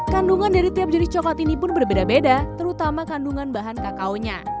kandungan dari tiap jenis coklat ini pun berbeda beda terutama kandungan bahan kakaonya